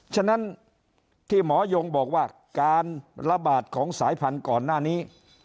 ฉะนั้นที่หมอยงบอกว่าการระบาดของสายพันธุ์ก่อนหน้านี้